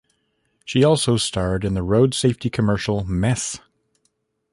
She also starred in the Road Safety commercial 'Mess'.